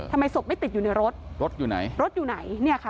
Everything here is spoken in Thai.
ทำไมศพไม่ติดอยู่ในรถรถอยู่ไหนรถอยู่ไหนเนี่ยค่ะ